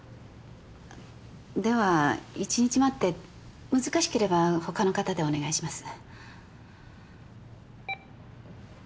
では一日待って難しければ他の方でお願いします。